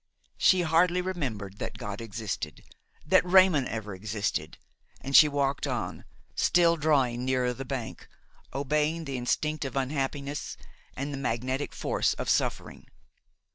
She hardly remembered that God existed, that Raymon ever existed, and she walked on, still drawing nearer the bank, obeying the instinct of unhappiness and the magnetic force of suffering.